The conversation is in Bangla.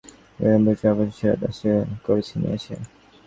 এদিকে সম্প্রতি রিয়ান্নার একটি গান বিলবোর্ড টপচার্টের সেরা দশে ঠাঁই করে নিয়েছে।